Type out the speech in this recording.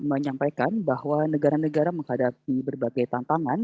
dan menyampaikan bahwa negara negara menghadapi berbagai tantangan